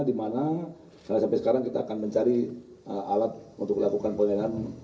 di mana karena sampai sekarang kita akan mencari alat untuk melakukan penilaian